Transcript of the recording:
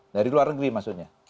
dari luar negeri maksudnya